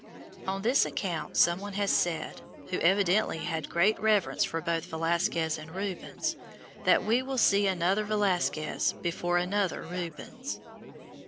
On this account someone has said, who evidently has great reverence for both Velazquez and Rubens, that we will see another Velazquez before another Rubens.